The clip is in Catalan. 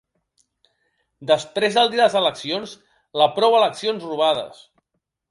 Després del dia de les eleccions, la Prou eleccions robades!